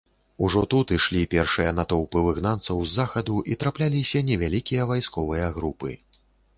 Ужо тут ішлі першыя натоўпы выгнанцаў з захаду і трапляліся невялікія вайсковыя групы.